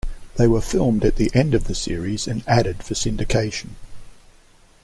They were filmed at the end of the series and added for syndication.